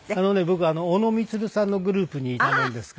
僕小野満さんのグループにいたもんですからね。